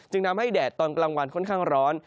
ทำให้แดดตอนกลางวันค่อนข้างร้อน